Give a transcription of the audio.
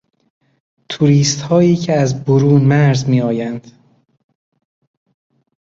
توریستهایی که از برون مرز میآیند